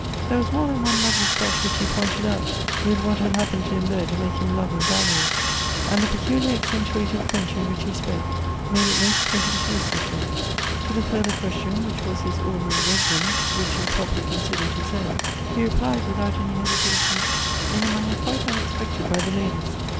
There was more than one lovely spot which he pointed out, with what had happened to him there to make him love and value it ; and the peculiar accentuated French in which he spoke, made it most pleasant to listen to him. To the further question, which was his ordinary resi dence, which he properly considered his home ; he re plied, without any hesitation, in a manner quite unexpec ted by the ladies.